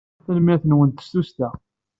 Tanemmirt-nwent s tussda!